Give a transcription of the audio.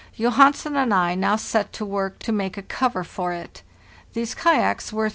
Johansen and I now set to work to make a cover for it. These kayaks were 3.